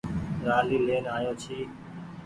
رآلي لين آيو ڇي۔